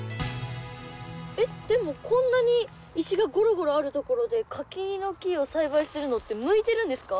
えっでもこんなに石がごろごろあるところで柿の木を栽培するのって向いてるんですか？